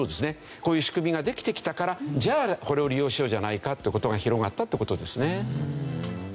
こういう仕組みができてきたからじゃあこれを利用しようじゃないかという事が広がったって事ですね。